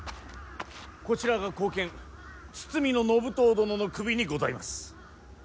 こちらが後見堤信遠殿の首にございます。